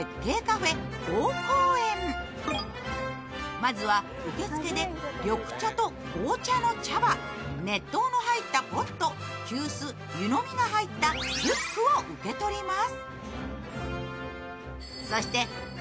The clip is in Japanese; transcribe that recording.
まずは、受付で緑茶と紅茶の茶葉熱湯の入ったポット、急須、湯飲みが入ったリュックを受け取ります。